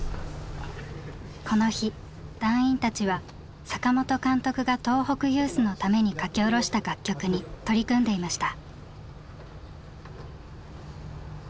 この日団員たちは坂本監督が東北ユースのために書き下ろした楽曲に取り組んでいました。